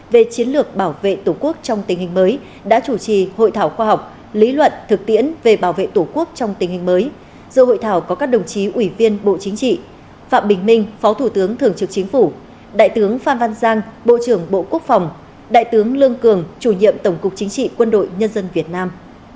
bộ trưởng bộ quốc phòng đại tướng lương cường chủ nhiệm tổng cục chính trị quân đội nhân dân việt nam